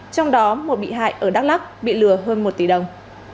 trong đó một bị hại ở đắk lắc bị lừa hơn một tỷ đồng